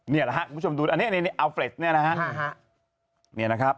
นี่ล่ะครับคุณผู้ชมดูอันนี้อันเนี่ยอัลเฟรดเนี่ยนะครับ